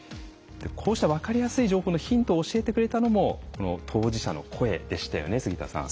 こうした分かりやすい情報のヒントを教えてくれたのも当事者の声でしたよね。